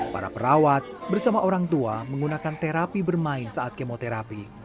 para perawat bersama orang tua menggunakan terapi bermain saat kemoterapi